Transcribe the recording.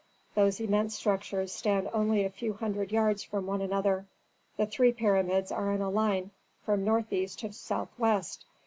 These immense structures stand only a few hundred yards from one another. The three pyramids are in a line from northeast to southwest.